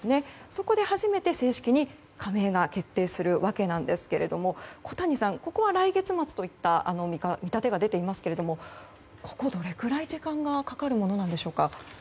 そこで初めて正式に加盟が決定するわけですけども小谷さん、ＮＡＴＯ承認は来月末といった見立てが出ていますけどもここ、どれぐらい時間がかかるものなんでしょうか。